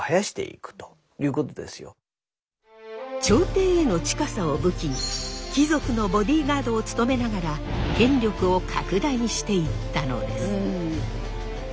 朝廷への近さを武器に貴族のボディーガードを務めながら権力を拡大していったのです。